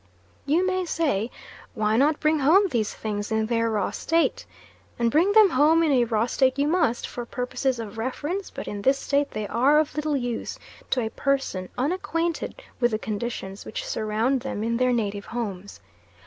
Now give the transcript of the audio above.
You may say, Why not bring home these things in their raw state? And bring them home in a raw state you must, for purposes of reference; but in this state they are of little use to a person unacquainted with the conditions which surround them in their native homes.